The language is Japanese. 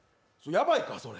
やばいか、それ。